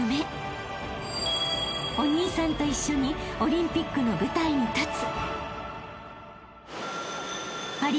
［お兄さんと一緒にオリンピックの舞台に立つ］